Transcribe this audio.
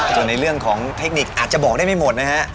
ส่วนในเรื่องของเทคนิคอาจจะบอกได้ไม่หมดนะฮะ